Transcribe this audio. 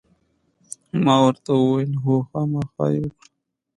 ما ورته وویل: هو، خامخا یې وکړه.